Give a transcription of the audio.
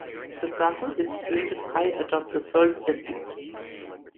The castle is situated high atop the Searles estate.